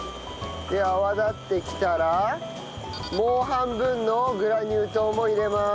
で泡立ってきたらもう半分のグラニュー糖も入れます。